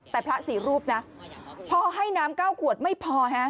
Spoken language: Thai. แต่พระ๔รูปนะพอให้น้ำ๙ขวดไม่พอ